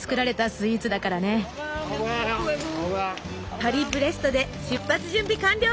パリブレストで出発準備完了！